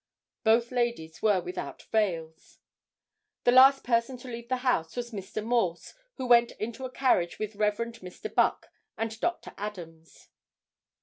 Both ladies were without veils. The last person to leave the house was Mr. Morse, who went into a carriage with Rev. Mr. Buck and Dr. Adams.